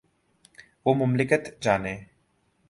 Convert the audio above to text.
وہ مملکت جانے۔